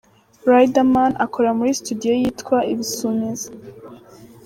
Riderman akorera muri Studio ye yitwa Ibizumizi.